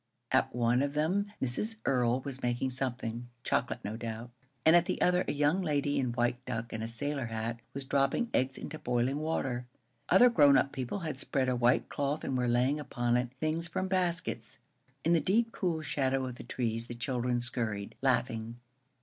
At one of them Mrs. Earl was making something chocolate, no doubt and at the other a young lady in white duck and a sailor hat was dropping eggs into boiling water. Other grown up people had spread a white cloth and were laying upon it things from baskets. In the deep cool shadow of the trees the children scurried, laughing.